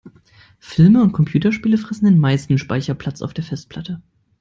Filme und Computerspiele fressen den meisten Speicherplatz auf der Festplatte.